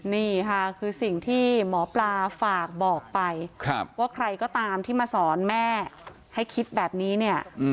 นี่ค่ะคือสิ่งที่หมอปลาฝากบอกไปว่าใครก็ตามที่มาสอนแม่ให้คิดแบบนี้เนี่ย